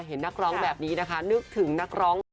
นักร้องแบบนี้นะคะนึกถึงนักร้อง